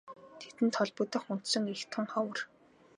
Тэдэнд холбогдох үндсэн эх тун ховор.